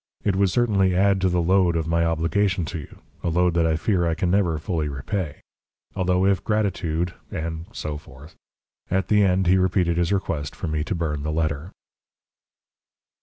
It would certainly add to the load of my obligation to you a load that I fear I can never fully repay. Although if gratitude..." And so forth. At the end he repeated his request for me to burn the letter.